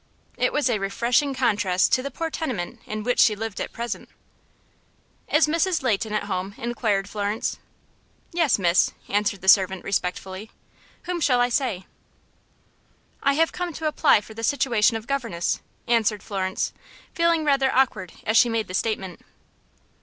It was a refreshing contrast to the poor tenement in which she lived at present. "Is Mrs. Leighton at home?" inquired Florence. "Yes, miss," answered the servant, respectfully. "Whom shall I say?" "I have come to apply for the situation of governess," answered Florence, feeling rather awkward as she made the statement.